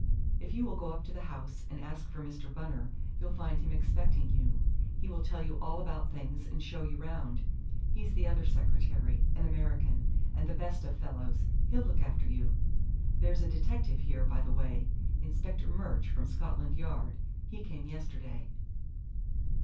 If you will go up to the house and ask for Mr. Bunner, you'll find him expecting you; he will tell you all about things and show you round. He's the other secretary; an American, and the best of fellows; he'll look after you. There's a detective here, by the way; Inspector Murch, from Scotland Yard. He came yesterday."